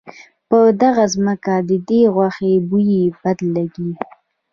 په ده ځکه ددې غوښې بوی بد لګي.